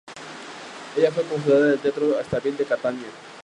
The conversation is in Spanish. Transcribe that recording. Ella fue cofundadora del Teatro Stabile de Catania.